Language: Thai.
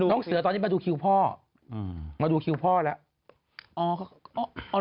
เสือตอนนี้มาดูคิวพ่อมาดูคิวพ่อแล้ว